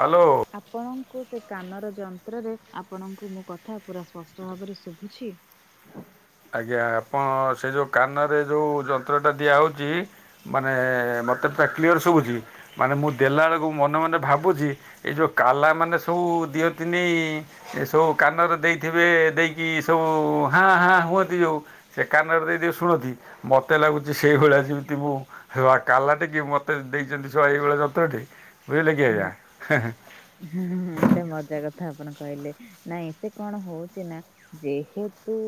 Hello. ଆପଣଙ୍କୁ ସେ କାନର ଯନ୍ତ୍ରରେ ଆପଣଙ୍କୁ ମୋ କଥା ପୁରା ସ୍ପଷ୍ଟ ଭାବରେ ଶୁଭୁଛି। ଆଜ୍ଞା ଆପଣ ସେ ଯେଉଁ କାନରେ ଯେଉଁ ଯନ୍ତ୍ରଟା ଦିଆହେଉଛି। ମାନେ ମତେ ପୁରା କ୍ଲିଅର ଶୁଭୁଛି। ମାନେ ମୁଁ ଦେଲାବେେଳକୁ ମନେ ମନେ ଭାବୁଛି ଏଇ ଯେଉଁ କାଲା ମାନେ ସବୁ ଦିଅନ୍ତିନ। ଏ ସବୁ କାନରେ ଦେଇଥିବେ ଦେଇକି ସବୁ ହାଁ ହାଁ ହୁଅନ୍ତି ଯେଉ। ସେ କାନଡ଼ ଦେଇଦିଉ ଶୁଣନ୍ତି ମୋତେ ଲାଗୁଛି ସେଇଭଳିଆ ଯେମିତି ମୁଁ ହେ କାଲା ଟ କି ମତେ ଦେଇଛନ୍ତି ଶୁଆ ଏଇଭଳିଆ ଯନ୍ତ୍ରଟି ବୁଝିଲେ କି ଆଜ। ହଁ ଏଇଟା ମଜା କଥା ଆପଣ କହିଲେ ନାଇଁ ସେ କଣ ହଉଛି ନା। ଯେହେତୁ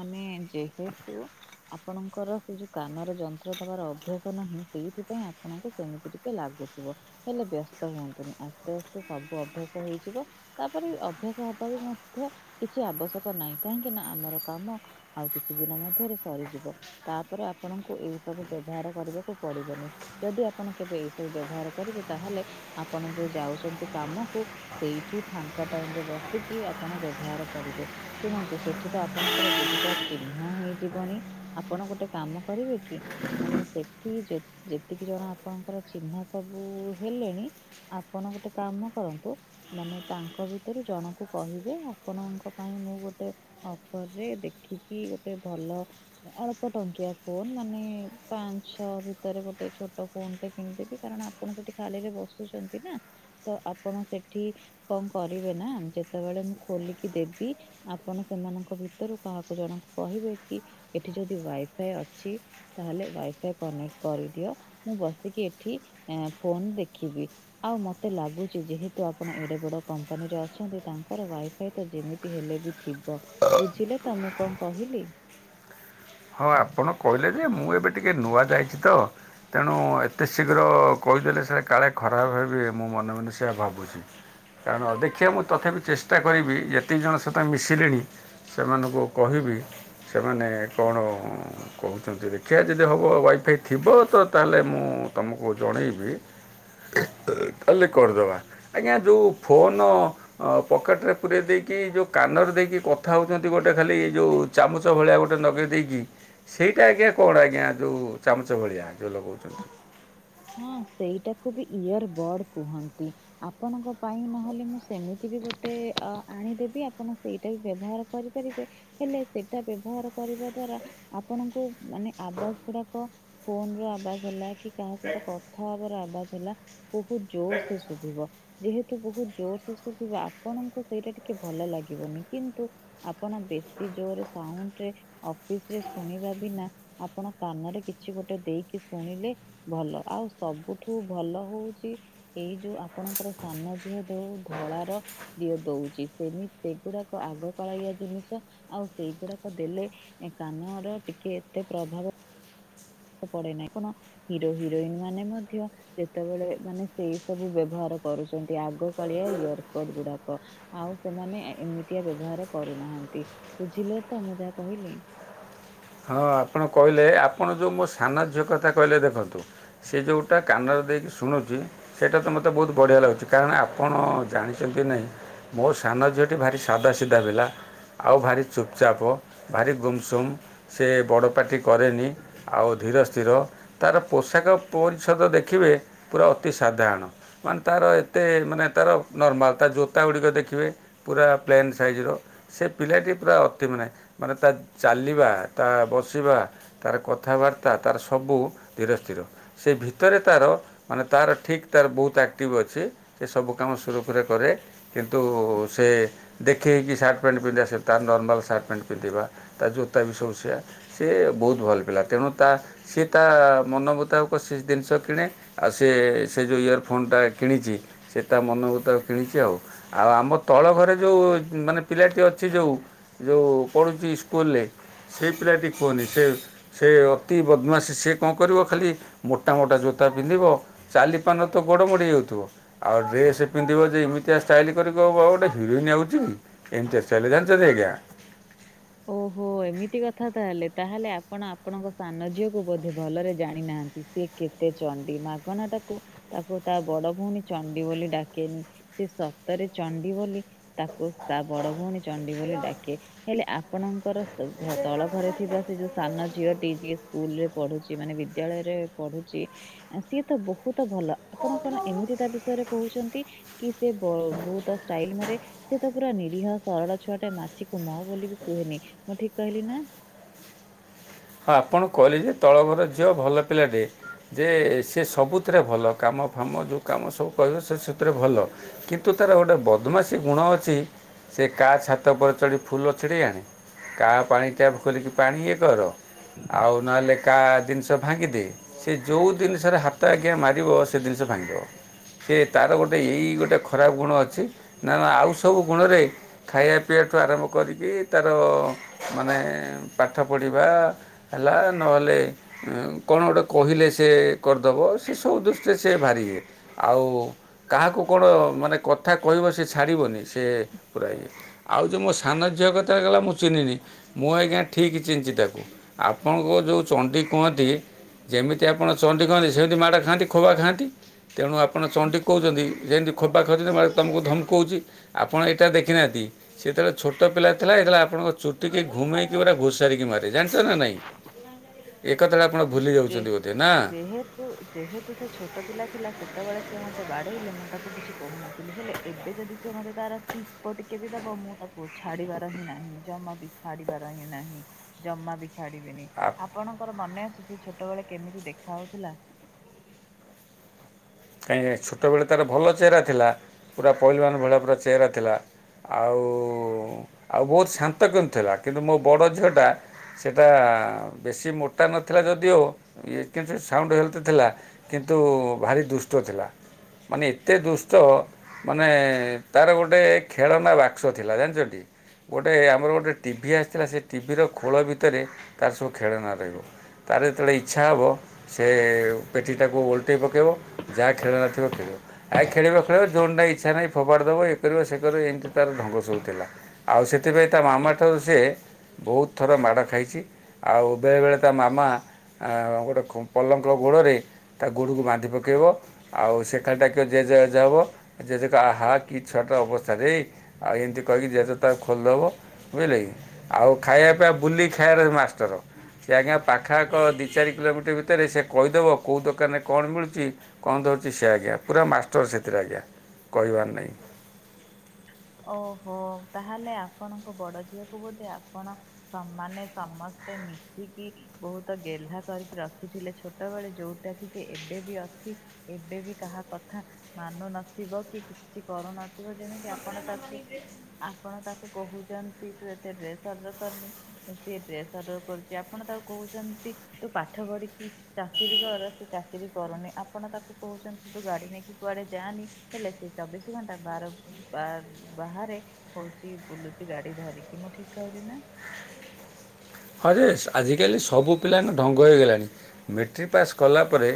ମାନେ ଯେହେତୁ ଆପଣଙ୍କର ସେ ଯୋଉ କାନର ଯନ୍ତ୍ର ଦେବାର ଅଭ୍ୟାସ ନାହିଁ ସେଇଥିପାଇଁ ଆପଣଙ୍କୁ ସେମିତି ଲାଗୁଥିବ ହେଲେ ବ୍ୟସ୍ତ ହୁଅନ୍ତୁନି ଆସ୍ତେ ଆସ୍ତେ ସବୁ ଅଭ୍ୟାସ ହେଇଯିବ। ତାପରେ ବି ଅଭ୍ୟାସ ହବା ବି ମଧ୍ୟ କିଛି ଆବଶ୍ୟକ ନାହିଁ କାହିଁକି ନା ଆମର କାମ ଆଉ କିଛି ଦିନ ମଧ୍ୟରେ ସରିଯିବ। ତାପରେ ଆପଣଙ୍କୁ ଏଇ ସବୁ ବ୍ୟବହାର କରିବାକୁ ପଡିବନି। ଯଦି ଆପଣ କେବେ ଏଇ ସବୁ ବ୍ୟବହାର କରିବେ ତାହେଲେ ଆପଣ ଯୋଉ ଯାଉଛନ୍ତି କାମକୁ ସେଇଠି ଫାଙ୍କା ଟାଇମ ରେ ବସିକି ଆପଣ ବ୍ୟବହାର କରିବେ। ଶୁଣନ୍ତୁ ସେଠି ତ ଆପଣଙ୍କର ବହୁତ ଚିହ୍ନ ହେଇଯିବନି। ଆପଣ ଗୋଟେ କାମ କରିବେ କି? ମାନେ ସେଠି ଯେତିକି ଜଣ ଆପଣଙ୍କର ଚିହ୍ନା ସବୁ ହେଲେଣି ଆପଣ ଗୋଟେ କାମ କରନ୍ତୁ। ମାନେ ତାଙ୍କ ଭିତରୁ ଜଣକୁ କହିବେ ଆପଣଙ୍କ ପାଇଁ ମୁଁ ଗୋଟେ। ହଁ ପରେ ଦେଖିକି ଗୋଟେ ଭଲ ଅଳ୍ପ ଟଙ୍କିଆ ଫୋନ ମାନେ ପାଞ୍ଚ ଛଅ ଭିତରେ ଗୋଟେ ଛୋଟ ଫୋନଟେ କିଣିଦେବି କାରଣ ଆପଣ ସେଠି ଖାଲିରେ ବସୁଚନ୍ତି ନା ତ ଆପଣ ସେଠି କଣ କରିବେ ନା ଯେତେବେଳେ ମୁଁ ଖୋଲିକି ଦେବି ଆପଣ ସେମାନଙ୍କ ଭିତରୁ କାହାକୁ ଜଣଙ୍କୁ କହିବେ କି ଏଠି ଯଦି ୱାଏ ଫାଏ ଅଛି ତାହେଲେ ୱାଇଫାଇ କନେକ୍ଟ କରିଦିଅ ମୁଁ ବସିକି ଏଠି ଏଁ ଫୋନ ଦେଖିବି। ଆଉ ମତେ ଲାଗୁଚି ଯେହେତୁ ଆପଣ ଏଡେ ବଡ କମ୍ପାନୀରେ ଅଛନ୍ତି ତାଙ୍କର ୱାଇ ଫାଇ ତ ଯେମିତି ହେଲେ ବି ଥିବ ବୁଝିଲେ ତ ମୁଁ କଣ କହିଲି? ହଁ ଆପଣ କହିଲେ ଯେ ମୁଁ ଏବେ ଟିକେ ନୂଆ ଯାଇଚି ତ ତେଣୁ ଏତେ ଶୀଘ୍ର କହିଦେଲେ ସେ କାଳେ ଖରାପ ଭାବିବେ ମୁଁ ମନେ ମନେ ସେୟା ଭାବୁ ଚି କାରଣ ଦେଖିଆ ମୁଁ ତଥାପି ଚେଷ୍ଟା କରିବି ଯେତିକି ଜଣ ସହିତ ମିଶିଲିଣି ସେମାନଙ୍କୁ କହିବି ସେମାନେ କୋହୁଚନ୍ତି ଦେଖିଆ ଯଦି ହବ ୱାଇଫାଇ ଥିବ ତ ତାହେଲେ ମୁଁ ତମକୁ ଜଣେଇବି। ତାହାଲେ କରିଦବା ଆଜ୍ଞା ଯେଉ ଫୋନ ଅ ପକେଟରେ ପୁରେଇ ଦେଇକି ଯୋଉ କାନରେ ଦେଇକି କଥା ହୋଉଚନ୍ତି ଗୋଟେ ଖାଲି ଏଇ ଯୋଉ ଚାମୁଚ ଭଳିଆ ଗୋଟେ ନଗେଇ ଦେଇକି ସେଇଟା ଆଜ୍ଞା କଣ ଆଜ୍ଞା ଯୋଉ ଚାମୁଚ ଭଳିଆ ଯୋଉ ଲଗୋଉଚନ୍ତି। ହଁ ସେଇଟାକୁ ବି ଇୟର ବଡ କୁହନ୍ତି। ଆପଣଙ୍କ ପାଇଁ ନହଲେ ମୁଁ ସେମିତି ବି ଗୋଟେ ଅ ଆଣିଦେବି ଆପଣ ସେଇଟା ବି ବ୍ୟବହାର କରିପାରିବେ। ହେଲେ ସେଟା ବ୍ୟବହାର କରିବା ଦ୍ଵାରା ଆପଣଙ୍କୁ ମାନେ ଆବାଜ ଗୁଡାକ ଫୋନର ଆବାଜ ହେଲା କି କାହା ସହିତ କଥା ହବାର ଆବାଜ ହେଲା ବୋହୁତ ଜୋରସେ ଶୁଭିବ। ଯେହେତୁ ବୋହୁତ ଜୋରସେ ଶୁଭିବ ଆପଣଙ୍କୁ ସେଇଟା ଟିକେ ଭଲ ଲାଗିବନି କିନ୍ତୁ ଆପଣ ବେଶୀ ଜୋଓରେ ସାଉଣ୍ଡରେ ଅଫିସରେ ଶୁଣିବା ବିନା ଆପଣ କାନରେ କିଛି ଗୋଟେ ଦେଇକି ଶୁଣିଲେ ଭଲ। ଆଉ ସବୁଠୁ ଭଲ ହୋଉଚି ଏଇ ଯୋଉ ଆପଣଙ୍କର ସାନ ଝିଅ ଦୋଉ ଧଳାର ଦିଅ ଦୋଉଚି ସେମି ସେଗୁଡ଼ାକ ଆଗକାଳାୟ ଜିନିଷ ଆଉ ସେଇଗୁଡାକ ଦେଲେ ଏ କାନର ଟିକେ ଏତେ ପ୍ରଭାବ ପଡେ ନାହିଁ କଣ ହିରୋ ହିରୋଇନ ମାନେ ମଧ୍ୟ କେତେବେଳେ ମାନେ ସେଇ ସବୁ ବ୍ୟବହାର କରୁଚନ୍ତି ଆଗକାଳିଆ ଇୟରକଡ ଗୁଡାକ। ଆଉ ସେମାନେ ଏମିତିଆ ବ୍ୟବହାର କରୁନାହାନ୍ତି ବୁଝିଲେ ତ ମୁଁ ଯାହା କହିଲି। ହଁ ଆପଣ କହିଲେ ଆପଣ ଯୋଉ ମୋ ସାନ ଝିଅ କଥା କହିଲେ ଦେଖନ୍ତୁ ସିଏ ଯୋଉଟା କାନରେ ଦେଇକି ଶୁଣୁଚି ସେଇଟା ତ ମତେ ବୋହୁତ ବଢ଼ିଆ ଲାଗୁଚି କାରଣ ଆ ଆପଣ ଜାଣିଚନ୍ତି ନାହିଁ ମୋ ସାନ ଝିଅଟି ଭାରି ସାଧାସିଧା ପିଲା ଆଉ ଭାରି ଚୁପଚାପ ଭାରି ଗୁମସୁମ୍ ସେ ବଡ଼ ପାଟି କରେନି। ଆଉ ଧିର ସ୍ଥିର ତାର ପୋଷାକ ପରିଚ୍ଛଦ ଦେଖିବେ ପୁରା ଅତି ସାଧାରଣ। ମାନେ ତାର ଏତେ ମାନେ ତାର ନର୍ମାଲ୍ ତା ଜୋତାଗୁଡ଼ିକ ଦେଖିବେ ପୁରା ପ୍ଲେନ୍ ସାଇଜିର ସେ ପିଲାଟି ପୁରା ଅତିମାନେ ମାନେ ତା ଚାଲିବା ତା ବସିବା ତାର କଥାବାର୍ତ୍ତା ତାର ସବୁ ଧିର ସ୍ଥିର। ସେଇ ଭିତରେ ତାର ମାନେ ତାର ଠିକ୍ ତାର ବୋହୁତ ଆକ୍ଟିଭ ଅଛି ସେ ସବୁ କାମ ସୁରୁଖୁରୁରେ କରେ କିନ୍ତୁ ସେ ଦେଖେ ହେଇକି ସାର୍ଟ ପ୍ୟାଣ୍ଟ ପିନ୍ଧିବା ସେ ତାର ନର୍ମାଲ ସାର୍ଟ ପ୍ୟାଣ୍ଟ ପିନ୍ଧିବା। ତା ଜୋତା ବି ସବୁ ସେୟା ସେ ବୋହୁତ ଭଲ ପିଲା ତେଣୁ ତା ସିଏ ତା ମନ ମୁତାବକ ସେ ଦିନଷ କିଣେ ଆଉ ସିଏ ସେଇ ଯୋଉ ଇୟର ଫୋନଟା କିଣିଚି ସେ ତା ମନ ମୁତାବକ କିଣିଚି ଆଉ। ଆଉ ଆମ ତଳଘରେ ଯୋଉ ମାନେ ପିଲାଟି ଅଛି ଯୋଉ ଯୋଉ ପୁଢୁଚି ଇସ୍କୁଲରେ ସେଇ ପିଲାଟି କୁହନି ସେ ସେ ଅତି ବଦମାସି ସିଏ କଣ କରିବ ଖାଲି ମୋଟାାମୋଟା ଜୋତା ପିନ୍ଧିବ ଚାଲିପାରୁ ନଥିବ ଗୋଡ଼ ମୋଡ଼ି ହେଇ ଯାଉଥିବ। ଆଉ ଡ୍ରେସ୍ ପିନ୍ଧିବ ଯେ ଏମିତିଆ ଷ୍ଟାଇଲ କରିକି ଆଉ ଗୋଟେ ହିରୋଇନ୍ ଆଉଛି କି। ଏନ୍ତିଆ ଷ୍ଟାଇଲ ଜାଣିଛନ୍ତି ଆଜ୍ଞା। ଓହୋ ଏମିତି କଥା ତାହେଲେ ତାହେଲେ ଆପଣ ଆପଣଙ୍କ ସାନ ଝିଅକୁ ବୋଧେ ଭଲରେ ଜାଣିନାହାନ୍ତି ସିଏ କେତେ ଚଣ୍ଡୀ ମାଗନା ତାକୁ ତାକୁ ତା ବଡ ଭଉଣୀ ଚଣ୍ଡି ବୋଲି ଡାକେନି ସେ ସତରେ ଚଣ୍ଡି ବୋଲି ତାକୁ ତା ବଡ ଭଉଣୀ ଚଣ୍ଡୀ ବୋଲି ଡାକେ। ହେଲେ ଆପଣଙ୍କର ତଳ ଘରେ ଥିବା ସେ ଯୋଉ ସାନ ଝିଅଟି ଯିଏ ସ୍କୁଲ ରେ ପଢୁଛି ମାନେ ବିଦ୍ୟାଳୟରେ ପଢ଼ୁଛି। ଆଁ ସିଏ ତ ବହୁତ ଭଲ ଆପଣ କଣ ଏମିତି ତା ବିଷୟରେ କହୁଛନ୍ତି। କି ସେ ବହୁତ ଷ୍ଟାଇଲ ମାରେ ସେ ତ ପୁରା ନିରୀହ ସରଳ ଛୁଆ ଟେ ମାଛିକୁ ମ ବୋଲି ବି କୁହେନି ମୁଁ ଠିକ୍ କହିଲି ନା। ହଁ ଆପଣ କହିଲେ ଯେ ତଳ ଘର ଝିଅ ଭଲ ପିଲାଟେ। ଯେ ସେ ସବୁଥିରେ ଭଲ କାମ ଫାମ ଯେଉଁ କାମ ସବୁ କହିବ ସେ ସେଥିରେ ଭଲ କିନ୍ତୁ ତାର ଗୋଟେ ବଦମାସି ଗୁଣ ଅଛି ସେ କାହା ଛାତ ଉପରେ ଚଢ଼ି ଫୁଲ ଛିଡ଼େଇ ଆଣେ କାହା ପାଣି ଟ୍ୟାପ ଖୋଲିକି ପାଣି ଇଏ କର। ଆଉ ନହେଲେ କାହା ଜିନିଷ ଭାଙ୍ଗିଦେ ସେ ଯୋଉ ଜିନିଷରେ ହାତ ଆଜ୍ଞା ମାରିବ ସେ ସେ ଜିନିଷ ଭାଙ୍ଗିିବ। ସେ ତାର ଗୋଟେ ଏଇ ଗୋଟେ ଖରାପ ଗୁଣ ଅଛି ନା ଆଉ ସବୁ ଗୁଣରେ ଏ ଖାଇବା ପିଇବାଠୁ ଆରମ୍ଭ କରିକି ତାର ମାନେ ପାଠ ପଢ଼ିବା ହେଲା ନହେଲେ କଣ ଗୋଟେ କହିଲେ ସେ କରିଦବ ସେ ସବୁ ଦୃଷ୍ଟିରେ ସେ ଭାରିି ଇଏ ଆଉ କାହାକୁ କଣ ମାନେ କଥା କହିବ ସେ ଛାଡ଼ିବନି ସିଏ ପୁରା ଇଏ। ଆଉ ଯୋଉ ମୋ ସାନ ଝିଅ କଥା କହିଲେ ମୁଁ ଚିହ୍ନିନି ମୁଁ ଆଜ୍ଞା ଠିକ୍ ଚିହ୍ନିଚି ତାକୁ। ଆପଣଙ୍କୁ ଯୋଉ ଚଣ୍ଡୀ କୁହନ୍ତି। ଯେମିତି ଆପଣ ଚଣ୍ଡୀ କହନ୍ତି ସେମିତି ମାଡ଼ ଖାଆନ୍ତି ଖୋବା ଖାଆନ୍ତି ତେଣୁ ଆପଣ ଚଣ୍ଡୀ କହୁଛନ୍ତି। ଯେମିତି ଖୋବା ଖିଉଛନ୍ତି ତମକୁ ଧମକଉଛି ଆପଣ ଏଇଟା ଦେଖିନାହାନ୍ତି। ସିଏ ଯେତେବେଳେ ଛୋଟ ପିଲା ଥିଲା। ଏ ଯେତେବେଳେ ଆପଣଙ୍କ ଚୁଟିିକି ଘୁମେଇକ ପୁରା ଘୋସାରିକି ମାରେ ଜାଣି ଜାଣିଛ ନା ନାହିଁ ଏ କଥାଟା ଆପଣ ଭୁଲି ଯାଉଛନ୍ତି ବୋଧେ ନା। ତ ଯେହେତୁ ସେ ଛୋଟ ପିଲା ଥିଲା। ସେତେବେଳେ ସିଏ ମୋତେ ବାଡେଇଲେ ମୁଁ ତାକୁ କିଛି କହୁନଥିଲି ହେଲେ ଏବେ ଯଦି ସେ ମତେ ତାର ଟିପ ଟିକେ ବି ଦବ ମୁଁ ତାକୁ ଛାଡିବାର ହିଁ ନାହିଁ। ଜମା ବି ଛାଡିବାର ହିଁ ନାହିଁ ଜମା ବି ଛାଡିବେନି। ଆଫ୍ ଆପଣଙ୍କର ମନେ ଅଛି ସେ ଛୋଟବେଳେ କେମିତି ଦେଖାହଉଥିଲା। ନାଁଇ ନାହିଁ ଛୋଟବେଳେ ତାର ଭଲ ଚେହେରା ଥିଲା ପୁରା ପହିଲମାନ ଭଳିଆ ପୁରା ଚେହେରା ଥିଲା। ଆଉ ଆଉ ବହୁତ୍ ଶାନ୍ତ କିନ୍ତୁ ଥିଲା କିନ୍ତୁ ମୋ ବଡ଼ ଝିଅଟା ସେ ଟା ବେଶୀ ମୋଟା ନଥିଲା ଯଦିଓ କିନ୍ତୁ ସାଉଣ୍ଡ ହେଲଥ। ଥିଲା କିନ୍ତୁ ଭାରି ଦୁଷ୍ଟ ଥିଲା ମାନେ ଏତେ ଦୁଷ୍ଟ ମାନେ ତାର ଗୋଟେ ଖେଳନା ବାକ୍ସ ଥିଲା। ଜାଣିଛଟି ଗୋଟିଏ ଆମର ଗୋଟିଏ ଟିଭି ଆସିଥିଲା ସେ ଟିଭିର ଖୋଳ ଭିତରେ ତାର ସବୁ ଖେଳନା ରହିବ। ତା ର ଯେତେବେଳେ ଇଚ୍ଛା ହେବ ସେ ପେଟିଟାକୁ ଓଲଟେଇ ପକାଇବ। ଯାହା ଖେଳନା ଥିବ ଖେଳିବ। କାହିଁକି ଖେଳିବା ଖେଳିବ ଯେଉଠି ନାହିଁ ଇଚ୍ଛା ନାହିଁ ଫୋପାଡ଼ି ଦେବ ଏଇ କରିବ ସେ କରିବ ଏମିତି ତାର ଢଙ୍ଗ ସବୁଥିଲା। ଆଉ ସେଥିପାଇଁ ତା ମାମା ଠାରୁ ସିଏ ବହୁତ୍ ଥର ମାଡ଼ ଖାଇଛି। ଆଉ ବେଳେବେଳେ ତା ମାମା ଗୋଟେ ପଲଙ୍କ ଗୋଡ଼ରେ ତା ଗୋଡ଼କୁ ବାନ୍ଧି ପକାଇବ। ଆଉ ସେ ଖାଲି ଡାକିଵ ଜେଜେ ଜେଜେ ହ ଵ ଜେଜେ କହିବେ ଆଃ ଛୁଆଟା କି ଅବସ୍ଥା। ଛାତି ଆଉ ଏମିତି କହିକି ଜେଜେ ତାକୁ ଖୋଲିଦେବ ବୁଝିଲେ କି ଆଉ ଖାଇବା ପିଇବା ବୁଲିକି ଖାଇବା ର ମାଷ୍ଟର। ସେ ଆଜ୍ଞା ପାଖାଆଖ ଦି ଚାରି କିଲୋମିଟର ଭିତରେ ସେ କହିଦେବ କେଉଁ ଦୋକାନରେ କଣ ମିଳୁଛି। କଣ ଧରୁଛି ସେ ଆଜ୍ଞା ପୁରା ମାଷ୍ଟର ସେଥିରେ ଆଜ୍ଞା କହିବାର ନାହିଁ। ଓହୋ ତାହେଲେ ଆପଣଙ୍କ ବଡ଼ ଝିଅକୁ ବୋଧେ ଆପଣ ସ‌ ମାନେ ସମସ୍ତେ ମିଶିକି ବହୁତ ଗେହ୍ଲା କରିକି ରଖିଥିଲେ ଛୋଟବେଳେ ଯୋଉଟା କି ସେ ଏବେ ବି ଅଛି। ଏବେ ବି କାହା କଥା ମାନୁ ନଥିବ କି କିଛି କରୁନଥିବ ଯେମି ସେ ଆପଣଙ୍କ ଆପଣ ତାକୁ କହୁଚନ୍ତି ତୁ ଏତେ ଡ୍ରେସ୍ ଅର୍ଡର କରିନି ସେ ଡ୍ରେସ୍ ଅର୍ଡର କରୁଚି। ଆ ପଣ ତାକୁ କୋହୁଛନ୍ତି ତୁ ପାଠ ପଢି଼କି ଚାକିରି କର ସେ ଚାକିରି କରୁନି। ଆପଣ ତାକୁ କୋହୁଚନ୍ତି ତୁ ଗାଡ଼ି ନେଇକି କୁଆଡ଼େ ଯାଆନି। ହେଲେ ସେ ଚବିଶି ଘଣ୍ଟା ବାର ବା ବାହାରେ ହଉଚି ବୁଲୁଚି ଗାଡ଼ି ଧରିକି। ମୁଁ ଠିକ୍ କହିଲି ନାଁ? ହରେସ୍ ଆଜିକାଲି ସବୁ ପିଲାଙ୍କ ଢଙ୍ଗ ହେଇଗଲାଣି ମେଟ୍ରିକ୍ ପାସ୍ କଲା ପରେ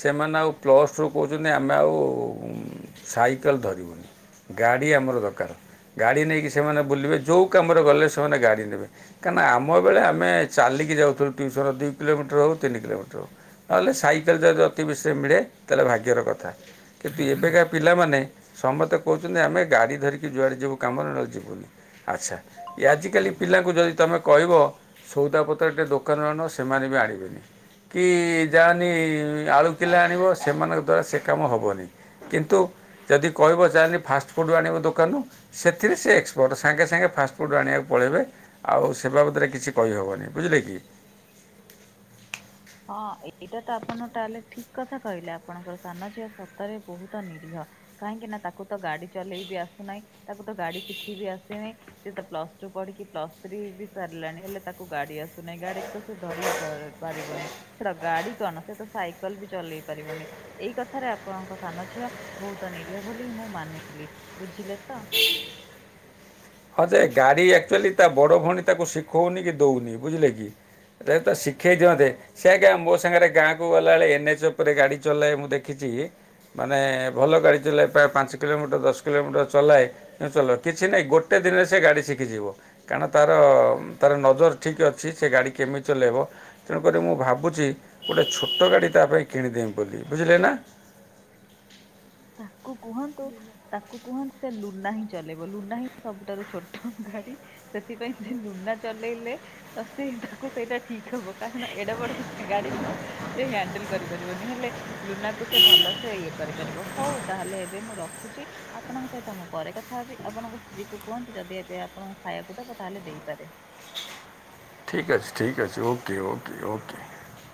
ସେମାନେ ଆଉ ପ୍ଲସ୍ ଟୁରୁ କୋହୁଚନ୍ତି ଆମେ ଆଉ ସାଇକେଲ୍ ଧରିବୁନି। ଗାଡ଼ି ଆମର ଦରକାର। ଗାଡ଼ି ନେଇକି ସେମାନେ ବୁଲିବେ ଯୋଉ କାମରେ ଗଲେ ସେମାନେ ଗାଡ଼ି ନେବେ, କାନା ଆମ୍ ମୋ ବେଳେ ଆମେ ଚାଲିକି ଯାଉଥୁଲୁ ଟ୍ୟୁସନ୍ ଦୁଇ କିଲୋମିଟର୍ ହୋଉ ତିନି କିଲୋମିଟର୍। ନହେଲେ ସାଇକେଲ୍ ଯଦି ଅତି ବେଶୀରେ ମିଳେ ତାହେଲେ ଭାଗ୍ୟର କଥା। କିନ୍ତୁ ଏବେକା ପିଲାମାନେ ସମସ୍ତେ କୋହୁଚନ୍ତି ଆମେ ଗାଡ଼ି ଧରି ଯୁଆଡ଼େ ଯିବୁ କାମରେ ନ ଯିବୁନି ଆଚ୍ଛା, ଆଜିକାଲି ପିଲାଙ୍କୁ ଯଦି ତମେ କହିବ ସୋଉଦାପତ୍ର ଟିକେ ଦୋକାନରୁ ଆଣୁନ ସେମାନେ ବି ଆଣିବେନି। କି ଯାନି ଆଳୁ କିଲେ ଆଣିବ ସେମାନଙ୍କ ଦ୍ୱାରା ସେ କାମ ହବନେଇ। କିନ୍ତୁ ଯଦି କହିବ ଯାନି ଫାଷ୍ଟ ଫୁଡ଼୍ ଆଣିବ ଦୋକାନରୁ। ସେଥିରେ ସେ ଏକ୍ସପର୍ଟ, ସାଙ୍ଗେ ସାଙ୍ଗେ ଫାଷ୍ଟ ଫୁଡ଼୍ ଆଣିବାକୁ ପଳେଇବେ। ଆଉ ସେ ବାବଦରେ କିଛି କହିହବନେଇ ବୁଝିଲେ କି? ହଁ ଏଇଟା ତ ଆପଣ ତାହେଲେ ଠିକ୍ କଥା କହିଲେ ଆପଣଙ୍କର ସାନ ଝିଅ ସତରେ ବୋହୁତ ନିରୀହ। କାହିଁକି ନାଊ ତାକୁ ତ ଗାଡ଼ି ଚଲେଇ ବି ଆସୁନାହିଁ। ତାକୁ ତ ଗାଡ଼ି ଶିଖି ବି ଆସିନେଇ, ସିଏ ତ ପ୍ଲସ୍ ଟୁ ପଢି଼କି ପ୍ଲସ୍ ଥ୍ରୀ ବି ସାରିଲାଣି ହେଲେ ତାକୁ ଗାଡ଼ି ଆସୁ ନେଇ ଗାଡ଼ିକି ତ ସିଏ ଧରିି ବି ପା ପାରିବନେଇ। ଛାଡ଼ ଗାଡ଼ି କଣ ସେ ତ ସାଇକେଲ୍ ବି ଚଲେଇ ପାରିବନି। ଏଇ କଥାରେ ଆପଣଙ୍କ ସାନ ଝିଅ ବୋହୁତ ନିରୀହ ବୋଲି ମୁଁ ମାନିଲି। ବୁଝିଲେ ତ? ହଁ ଯେ ଗାଡ଼ି ଆଚୁଆଲି ତା ବଡ଼ ଭଉଣୀ ତାକୁ ଶିଖଉନି କି ଦୋଉନି। ବୁଝିଲେ କି? ରେ ତ ଶିଖେଇ ଦିଅନ୍ତେ। ସେ ଆଗେ ମୋ ସାଙ୍ଗେରେ ଗାଁକୁ ଗଲାଏଳେ ଏନ୍ ଏଚ୍ ଓପରେ ଗାଡ଼ି ଚଲାଏ ମୁଁ ଦେଖିଚି। ମାନେ ଭଲ ଗାଡ଼ି ଚଲାଏ ପ୍ରାୟ ପାଞ୍ଚ କିଲୋମିଟର୍ ଦଶ କିଲୋମିଟର୍ ଚଲାଏ ଉଁ ଚଲ କିଛି ନାହିଁ ଗୋ ଟେ ଦିନରେ ସେ ଗାଡ଼ି ଶିକିଯିବ। କାରଣ ତାର ତାର ନଜର ଠିକ୍ ଅଛି ସେ ଗାଡ଼ି କେମିତି ଚଲେଇବ ତେଣୁ କରି ମୁଁ ଭାବୁଚି ଗୋଟେ ଛୋଟ ଗାଡ଼ି ତାପାଇଁ କିଣିଦେମି ବୋଲି। ବୁଝିଲେ ନାଁ? ତାକୁ କୁହନ୍ତୁ ତାକୁ କୁହନ୍ତୁ ସେ ଲୁନା ହିଁ ଚଲେଇବ ଲୁନା ହିଁ ସବୁଠାରୁ ଛୋଟ ଗାଡ଼ି। ସେଥିପାଇଁ ସେ ଲୁନା ଚଲେଇଲେ ତ ସେଇଟାକୁ ସେଇଟା ଠିକ୍ ହବ କାରଣ ଏଡ଼େ ବଡ଼ ସେ ଗାଡ଼ିକୁ ସେ ହ୍ୟାଣ୍ଡେଲ୍ କରିପାରିବନି ହେଲେ ଲୁନାକୁ ସେ ଭଲସେ ଇଏ କରିପାରିବ ହଉ ତାହେଲେ ଏବେ ମୁଁ ରଖୁଚି। ଆପଣଙ୍କ ସହିତ ମୁଁ ପରେ କଥା ହେବି ଆପଣଙ୍କ ସ୍ତ୍ରୀକୁ କୁହନ୍ତୁ ଯଦି ଏବେ ଆପଣଙ୍କୁ ଖାଇବାକୁ ଦବ ତାହେଲେ ଦେଇପାରେ। ଠିକ୍ ଅଛି ଠିକ୍ ଅଛି ଓକେ ଓକେ ଓକେ।